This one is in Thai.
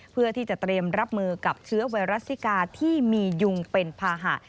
เพื่อที่จะเตรียมรับมือกับเชื้อไวรัสซิกาที่มียุงเป็นภาหะ